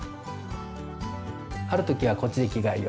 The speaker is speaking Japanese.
「ある時はこっちで着替えよう」